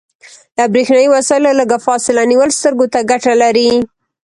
له بریښنایي وسایلو لږه فاصله نیول سترګو ته ګټه لري.